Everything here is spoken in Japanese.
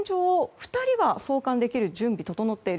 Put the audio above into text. ２人は送還できる準備が整っている。